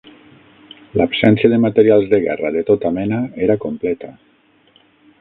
L'absència de materials de guerra de tota mena era completa.